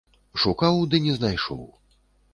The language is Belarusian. Шукаў, ды не знайшоў.